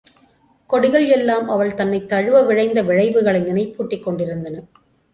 கொடிகள் எல்லாம் அவள் தன்னைத் தழுவ விழைந்த விழைவுகளை நினைப்பூட்டிக் கொண்டிருந்தன.